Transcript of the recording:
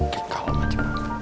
kalung aja pak